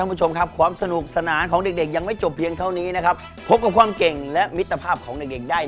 ในยกหน้าร่วมเป็นกำลังใจให้กับเด็กซ่าทั้ง๒ทีมด้วย